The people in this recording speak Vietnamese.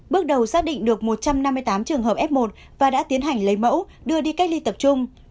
bước đầu xác định được một trăm năm mươi tám trường hợp f một và đã tiến hành lấy mẫu đưa đi cách ly tập trung